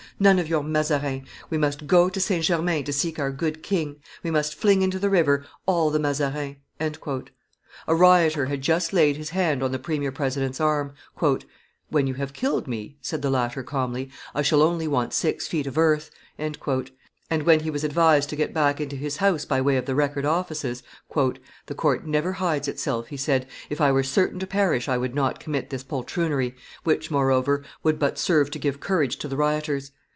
None of your Mazarin! We must go to St. Germain to seek our good king! We must fling into the river all the Mazarins!" A rioter had just laid his hand on the premier president's arm. "When you have killed me," said the latter, calmly, "I shall only want six feet of earth;" and, when he was advised to get back into his house by way of the record offices, "The court never hides itself," he said; "if I were certain to perish, I would not commit this poltroonery, which, moreover, would but serve to give courage to the rioters.